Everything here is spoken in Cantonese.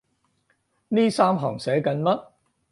呢三行寫緊乜？